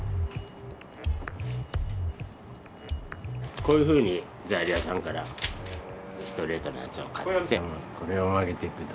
こういうふうに材料屋さんからストレートのやつを買ってこれを曲げていくと。